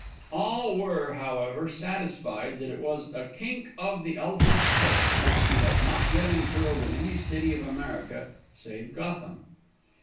All were, however, satisfied, that it was a kink of the Elephant's tail, which he has not yet uncurled in any city of America save Gotham.